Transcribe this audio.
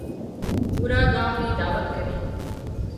پوُرا ڳام نِي دعوت ڪرِي